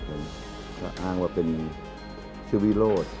ผมก็อ้างว่าเป็นชื่อวิโรธ